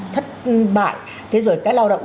thất bại thế rồi cái lao động